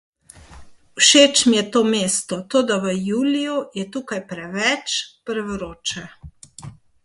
Všeč mi je to mesto, toda v juliju je tukaj preveč prevroče.